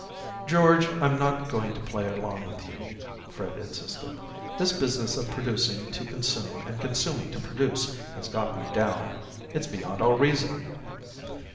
"George, I'm not going to play along with you," Fred insisted. "This business of producing to consume and consuming to produce has got me down. It's beyond all reason!"